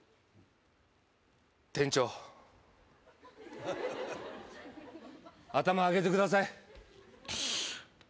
店長頭上げてください